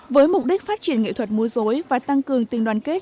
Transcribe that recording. với mục đích phát triển nghệ thuật mua dối và tăng cường tình đoàn kết